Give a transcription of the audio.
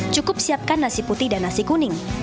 cukup siapkan nasi putih dan nasi kuning